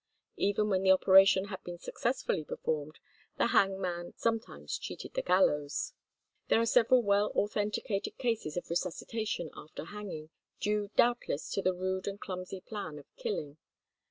Even when the operation had been successfully performed, the hanged man sometimes cheated the gallows. There are several well authenticated cases of resuscitation after hanging, due doubtless to the rude and clumsy plan of killing.